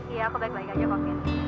iya aku baik baik aja kok vin